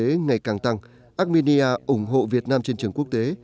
vị thế ngày càng tăng armenia ủng hộ việt nam trên trường quốc tế